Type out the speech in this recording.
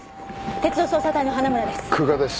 鉄道捜査隊の花村です。